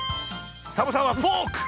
サボさんはフォーク！